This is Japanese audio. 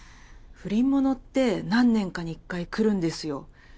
不倫ものって何年かに１回くるんですよ。